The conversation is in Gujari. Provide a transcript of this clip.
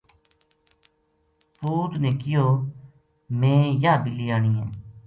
پوت نے کہیو میں یاہ بِلی آنی ہے "